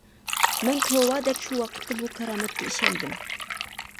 مەن توۋا دەپ شۇ ۋاقىتتا بۇ كارامەتكە ئىشەندىم.